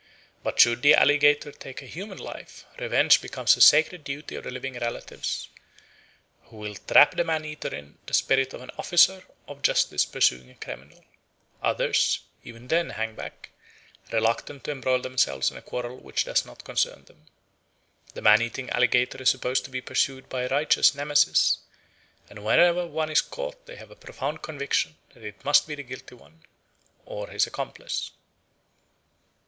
But should the alligator take a human life, revenge becomes a sacred duty of the living relatives, who will trap the man eater in the spirit of an officer of justice pursuing a criminal. Others, even then, hang back, reluctant to embroil themselves in a quarrel which does not concern them. The man eating alligator is supposed to be pursued by a righteous Nemesis; and whenever one is caught they have a profound conviction that it must be the guilty one, or his accomplice."